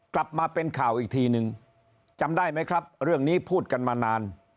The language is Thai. กลับมาเป็นข่าวอีกทีนึงจำได้ไหมครับเรื่องนี้พูดกันมานาน